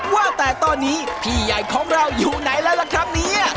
ว่าแต่ตอนนี้พี่ใหญ่ของเราอยู่ไหนแล้วล่ะครับเนี่ย